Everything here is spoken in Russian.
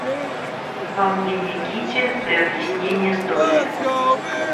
Волнение Кити при объяснении с Долли.